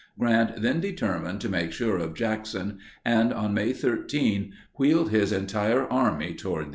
Grant then determined to make sure of Jackson and, on May 13, wheeled his entire army toward the east.